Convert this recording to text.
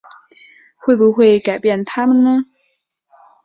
会不会改变他们呢？